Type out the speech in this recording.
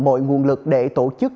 mọi nguồn lực để tổ chức